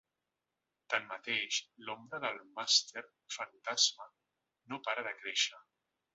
Tanmateix, l’ombra del màster fantasma no para de créixer.